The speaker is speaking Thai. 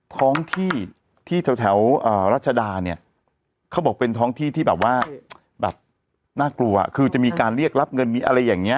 ท้องที่ที่แถวรัชดาเนี่ยเขาบอกเป็นท้องที่ที่แบบว่าแบบน่ากลัวคือจะมีการเรียกรับเงินมีอะไรอย่างนี้